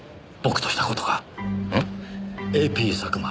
「ＡＰ佐久間」